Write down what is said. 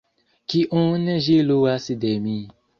kiun ĝi luas de mi.